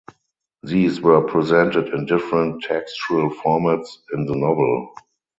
These are presented in different textual formats in the novel.